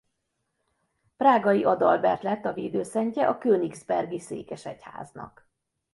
Prágai Adalbert lett a védőszentje a königsbergi székesegyháznak.